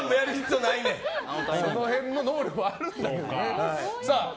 その辺の能力はあるんだけどね。